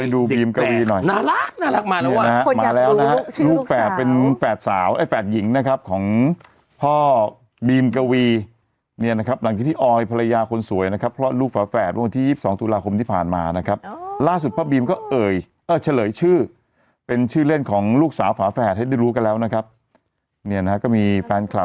ดูบีมกะวีหน่อยน่ารักมาด้วยนะฮะมาแล้วนะฮะลูกแฝดเป็นแฝดสาวไอ้แฝดหญิงนะครับของพ่อบีมกวีเนี่ยนะครับหลังจากที่ออยภรรยาคนสวยนะครับคลอดลูกฝาแฝดเมื่อวันที่๒๒ตุลาคมที่ผ่านมานะครับล่าสุดพ่อบีมก็เอ่ยเฉลยชื่อเป็นชื่อเล่นของลูกสาวฝาแฝดให้ได้รู้กันแล้วนะครับเนี่ยนะฮะก็มีแฟนคลับ